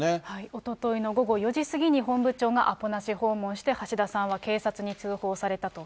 おとといの午後４時過ぎに、本部長がアポなし訪問して橋田さんは警察に通報されたと。